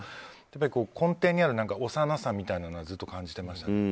根底にある幼さみたいなものはずっと感じていました。